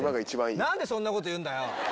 何でそんなこと言うんだよ！